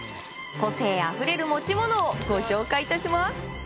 個性あふれる持ち物をご紹介いたします。